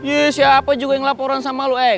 yes siapa juga yang laporan sama lu eh